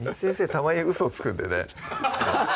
たまにウソつくんでね